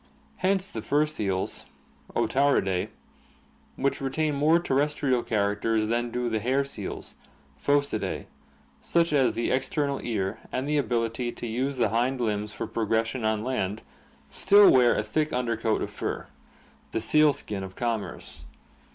Hence the fur seals (Otariidae) which retain more terrestrial characters than do the hair seals (Phocidae), such as the external ear and the ability to use the hind limbs for progression on land, still wear a thick under coat of fur — the sealskin of commerce.